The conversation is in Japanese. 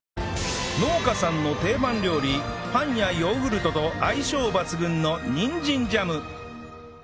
農家さんの定番料理パンやヨーグルトと相性抜群のまずは。